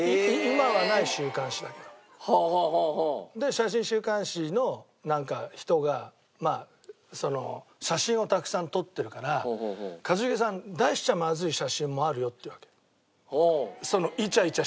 写真週刊誌の人がまあ写真をたくさん撮ってるから「一茂さん出しちゃまずい写真もあるよ」って言うわけ。